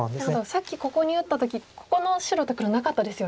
さっきここに打った時ここの白と黒なかったですよね。